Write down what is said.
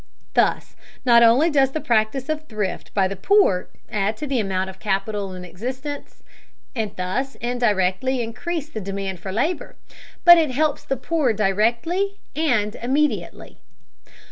Thus not only does the practice of thrift by the poor add to the amount of capital in existence, and thus indirectly increase the demand for labor, but it helps the poor directly and immediately.